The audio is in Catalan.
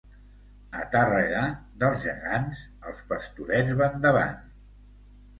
A Tàrrega, dels gegants, els pastorets van davant.